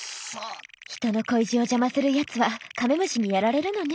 人の恋路を邪魔するやつはカメムシにやられるのね。